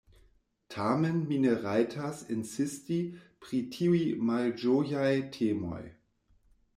Tamen mi ne rajtas insisti pri tiuj malĝojaj temoj.